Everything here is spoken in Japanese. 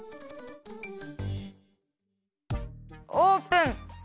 オープン！